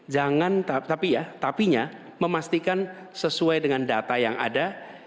jangan tapi ya tapinya memastikan sesuai dengan data yang ada